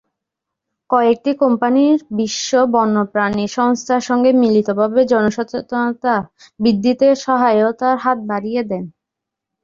কয়েকটি কোম্পানী বিশ্ব বন্যপ্রাণী সংস্থার সঙ্গে মিলিতভাবে জনসচেতনতা বৃদ্ধিতে সহায়তার হাত বাড়িয়ে দেন।